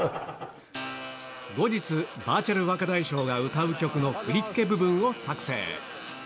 後日、バーチャル若大将が歌う曲の振り付け部分を作成。